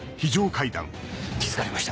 気付かれました。